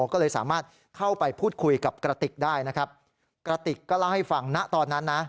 ก็เลยสามารถเข้าไปพูดคุยกับกระติกได้นะครับกระติกก็เล่าให้ฟังนะตอนนั้นนะ